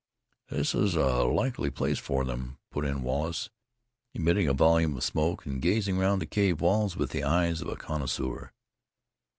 "This is a likely place for them," put in Wallace, emitting a volume of smoke and gazing round the cave walls with the eye of a connoisseur.